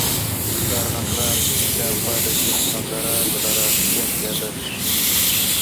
د ارغنداب سیند شاوخوا د ژمي منظره زړه راښکونکې ده.